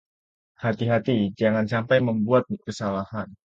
Hati-hati jangan sampai membuat kesalahan.